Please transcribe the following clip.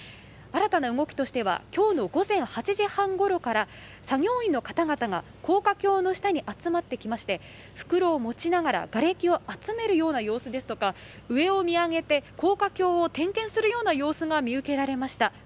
新たな動きとしては今日の午前８時半ごろから作業員の方々が高架橋の下に集まってきまして袋を持ちながら、がれきを集めるような様子ですとか上を見上げて高架橋を点検するような様子が見受けられました。